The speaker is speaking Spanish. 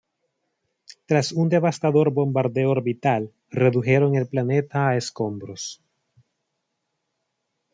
Tras un devastador bombardeo orbital redujeron el planeta a escombros.